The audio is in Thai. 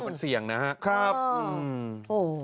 เป็นเสี่ยงนะฮะครับอืมโห